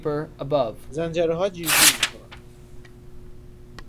زنجرهها جیرجیر میکردند.